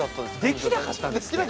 できなかったんです。